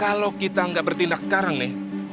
kalau kita nggak bertindak sekarang nih